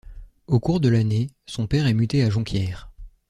Au cours de l'année, son père est muté à Jonquière.